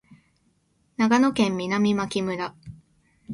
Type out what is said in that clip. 長野県南牧村